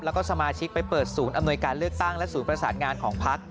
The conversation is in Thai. แล้วก็สมาชิกไปเปิดศูนย์อำนวยการเลือกตั้งและศูนย์ประสานงานของพัก